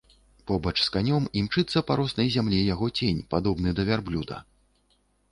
Побач з канём імчыцца па роснай зямлі яго цень, падобны да вярблюда.